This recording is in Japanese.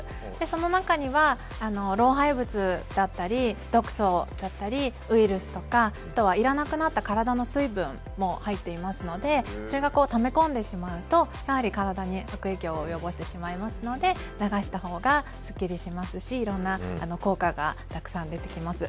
その中には老廃物だったり毒素だったりウイルスとかいらなくなった体の水分も入っていますのでそれをため込んでしまうと体に悪影響を及ぼすので流したほうがすっきりしますしいろんな効果がたくさん出てきます。